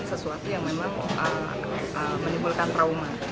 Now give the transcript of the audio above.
sesuatu yang memang menimbulkan trauma